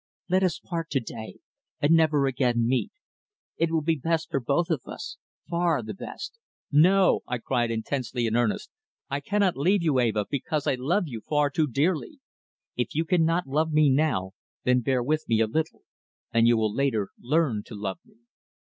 "Let us part to day and never again meet. It will be best for both of us far the best." "No," I cried, intensely in earnest. "I cannot leave you, Eva, because I love you far too dearly. If you cannot love me now, then bear with me a little, and you will later learn to love me."